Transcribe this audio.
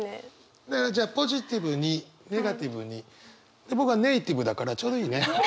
だからポジティブにネガティブに僕はネイティブだからちょうどいいね。